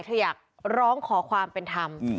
อยากร้องขอความเป็นธรรม